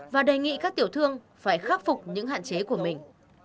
và đề nghị các tiểu thương phải khắc phục những hạn chế của mình